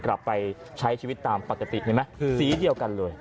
กลับไปใช้ชีวิตตามปกติเห็นไหมสีเดียวกันเลย